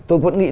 tôi vẫn nghĩ